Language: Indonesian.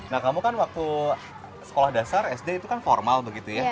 nah kamu kan waktu sekolah dasar sd itu kan formal begitu ya